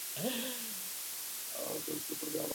Tímto se také zlepšuje hodnota hráče.